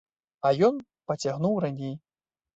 А ён пацягнуў раней.